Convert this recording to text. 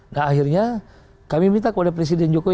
nah akhirnya kami minta kepada presiden jokowi